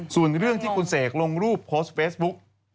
ส่วนเรื่องที่คุณเสกลงรูปโพสต์เฟซบุ๊ก